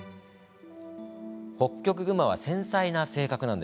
ホッキョクグマは繊細な性格。